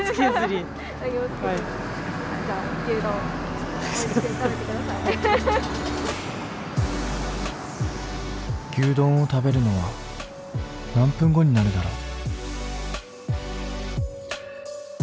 ちなみに牛丼を食べるのは何分後になるだろう？